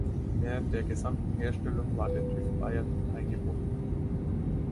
Während der gesamten Herstellung war der TÜV Bayern mit eingebunden.